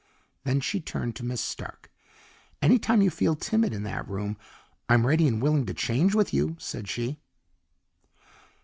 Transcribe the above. Then she turned to Miss Stark. "Any time you feel timid in that room I'm ready and willing to change with you," said she.